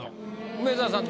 梅沢さん